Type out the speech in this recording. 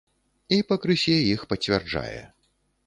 І пакрысе іх пацвярджае.